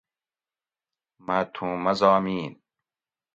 مہ تھوں مضامین